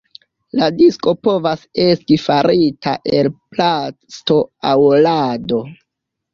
La disko povas esti farita el plasto aŭ lado.